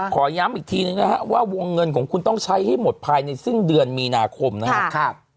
ขอย้ำอีกทีนึงนะฮะว่าวงเงินของคุณต้องใช้ให้หมดภายในสิ้นเดือนมีนาคมนะครับ